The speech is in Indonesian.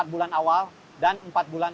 empat bulan awal dan empat bulan